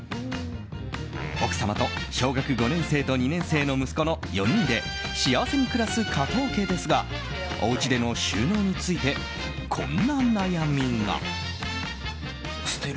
奥様と小学５年生と２年生の息子の４人で幸せに暮らす加藤家ですがおうちでの収納についてこんな悩みが。